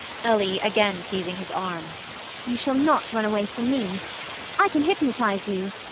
ELLIE [again seizing his arm]. You shall not run away from me. I can hypnotize you.